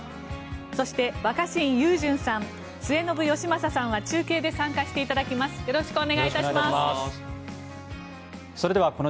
そして、若新雄純さん末延吉正さんは中継で参加していただきます。